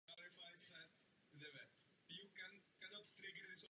Ten rok začali bratři psát písně společně.